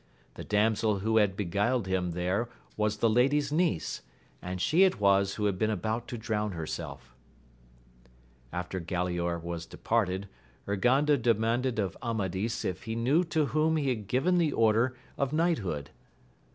The damsel who had beguiled him there was the lady's niece, and she it was who had been about to drown herself. After Galaor was departed, Urganda demanded of Amadis if he knew to whom he had given the order of knighthood.